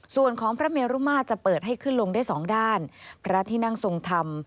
ส่วนของพระเมรุมาตรจะเปิดให้ขึ้นลงได้สองด้านพระที่นั่งทรงธรรม